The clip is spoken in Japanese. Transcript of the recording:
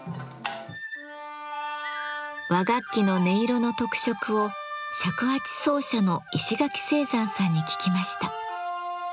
和楽器の音色の特色を尺八奏者の石垣征山さんに聞きました。